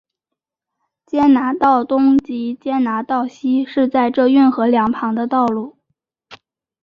坚拿道东及坚拿道西是在这运河两旁的道路。